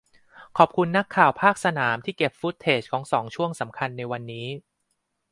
ขอบคุณนักข่าวภาคสนามที่เก็บฟุตเทจของสองช่วงสำคัญในวันนี้